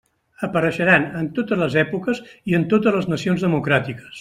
Apareixeran en totes les èpoques i en totes les nacions democràtiques.